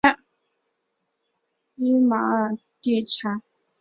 伊玛尔地产。